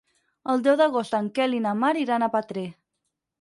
El deu d'agost en Quel i na Mar iran a Petrer.